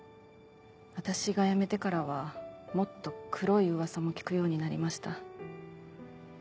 私が辞めてからはもっと黒い噂も聞くようになりました。